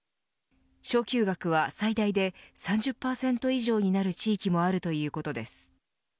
昇給額は最大で３０％以上になる地域もあるということです。